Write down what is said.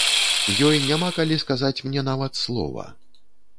Ёй няма калі сказаць мне нават слова.